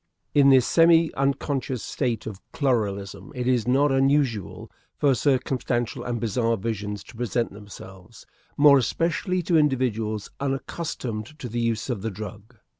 In this semi unconscious state of chloralism it is not unusual for circumstantial and bizarre visions to present themselves more especially to individuals unaccustomed to the use of the drug.